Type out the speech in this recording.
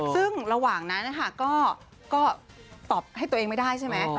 ซึ่งระหว่างนั้นนะคะก็ตอบให้ตัวเองไม่ได้ใช่ไหม